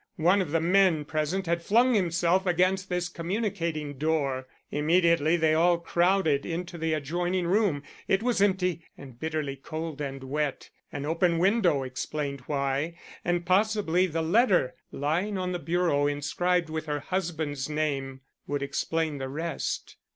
One of the men present had flung himself against this communicating door. Immediately they all crowded into the adjoining room. It was empty and bitterly cold and wet. An open window explained why, and possibly the letter lying on the bureau inscribed with her husband's name would explain the rest.